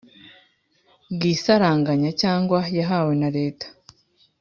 bw isaranganya cyangwa yahawe na Leta